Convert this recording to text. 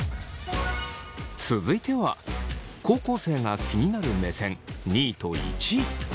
続いては高校生が気になる目線２位と１位。